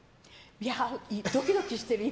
いや、ドキドキしてる、今。